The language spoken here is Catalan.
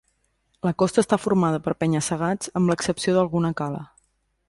La costa està formada per penya-segats amb l'excepció d'alguna cala.